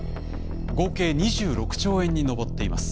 合計２６兆円に上っています。